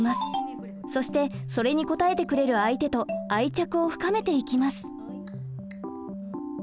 そしてそれに応えてくれる相手と愛着を深めていきます。